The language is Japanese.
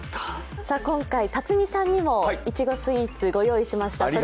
今回、辰巳さんにもいちごスイーツご用意しました。